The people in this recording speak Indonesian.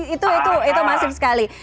itu itu itu masif sekali